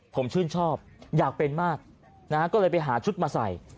ผมชื่นชอบอยากเป็นมากนะฮะก็เลยไปหาชุดมาใส่